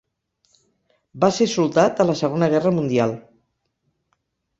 Va ser soldat a la Segona Guerra Mundial.